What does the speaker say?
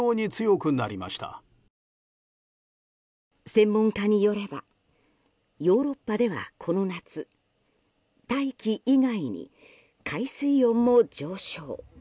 専門家によればヨーロッパではこの夏大気以外に海水温も上昇。